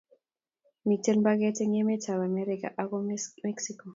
Miten mpaket eng emetab America ago mexico